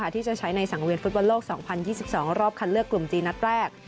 ที่จะใช้ในสังเวียนฟุตบอลโลก๒๐๒๒รอบคันเลือกกลุ่มจีนนัดแรก